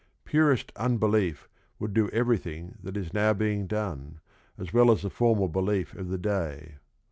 Purest unbelief would do everything that is now being done, as well as the formal belief of the day.